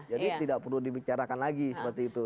jadi tidak perlu dibicarakan lagi seperti itu